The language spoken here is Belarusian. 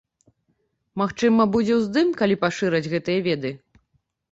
Магчыма будзе ўздым, калі пашыраць гэтыя веды.